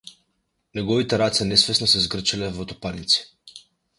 Неговите раце несвесно се згрчиле во тупаници.